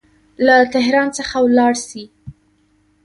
له تهران څخه ولاړ سي.